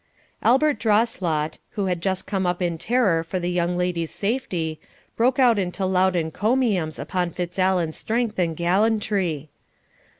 Albert Drawslot, who had just come up in terror for the young lady's safety, broke out into loud encomiums upon Fitzallen's strength and gallantry.